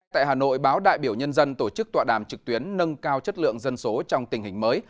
tại hà nội báo đại biểu nhân dân tổ chức tọa đàm trực tuyến nâng cao chất lượng dân số trong tình hình mới